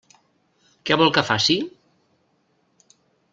Què vol que faci?